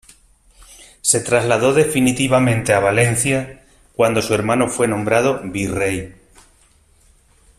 Se trasladó definitivamente a Valencia, cuando su hermano fue nombrado Virrey.